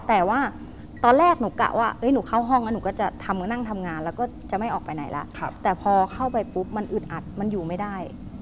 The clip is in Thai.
แต่ว่าตอนแรกหนูกะว่าหนูเข้าห้องแล้วหนูก็จะทำก็นั่งทำงานแล้วก็จะไม่ออกไปไหนแล้วแต่พอเข้าไปปุ๊บมันอึดอัดมันอยู่ไม่ได้